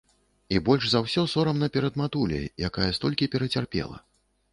І больш за ўсё сорамна перад матуляй, якая столькі перацярпела.